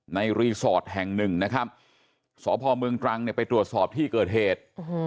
รีสอร์ทแห่งหนึ่งนะครับสพเมืองตรังเนี่ยไปตรวจสอบที่เกิดเหตุ